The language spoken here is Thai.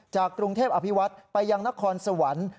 กรุงเทพอภิวัตไปยังนครสวรรค์